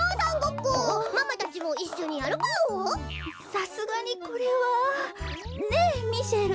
さすがにこれはねえミシェル。